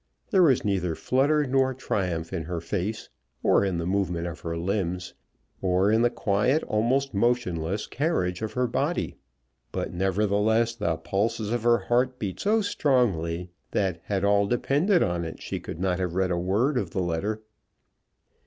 There was neither flutter nor triumph in her face, or in the movement of her limbs, or in the quiet, almost motionless carriage of her body; but, nevertheless, the pulses of her heart beat so strongly, that had all depended on it she could not have read a word of the letter.